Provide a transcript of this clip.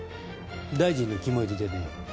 大臣の肝いりでね